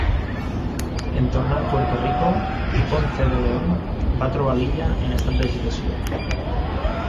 En tornar a Puerto Rico, Ponce de León va trobar l'illa en estat d'agitació.